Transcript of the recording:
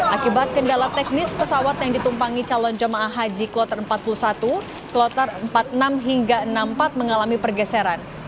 akibat kendala teknis pesawat yang ditumpangi calon jemaah haji kloter empat puluh satu kloter empat puluh enam hingga enam puluh empat mengalami pergeseran